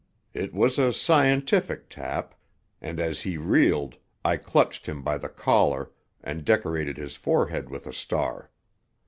It was a scientific tap, and as he reeled I clutched him by the collar and decorated his forehead with a star.